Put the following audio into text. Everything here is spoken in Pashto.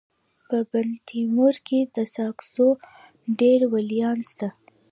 په بندتیمور کي د ساکزو ډير ولیان سته.